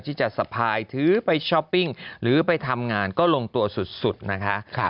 สะพายถือไปช้อปปิ้งหรือไปทำงานก็ลงตัวสุดนะคะ